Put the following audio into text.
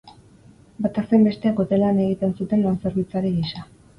Batak zein besteak hotelean egiten zuten lan zerbitzari gisa.